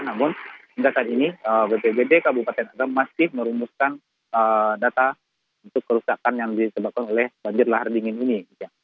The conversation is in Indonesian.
namun hingga saat ini bpbd kabupaten tegal masih merumuskan data untuk kerusakan yang disebabkan oleh banjir lahar dingin ini